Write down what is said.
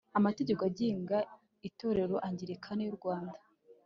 amategeko agenga itorero anglikani ry'u rwanda